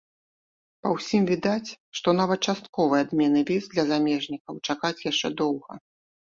Па ўсім відаць, што нават частковай адмены віз для замежнікаў чакаць яшчэ доўга.